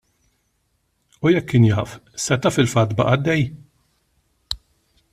U jekk kien jaf, seta' fil-fatt baqa' għaddej?